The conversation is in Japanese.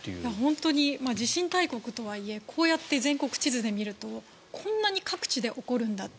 本当に地震大国とはいえこうやって全国地図で見るとこんなに各地で起こるんだと。